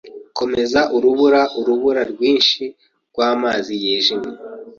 Komeza urubura urubura rwinshi n'amazi yijimye